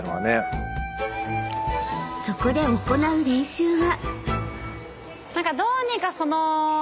［そこで行う練習は］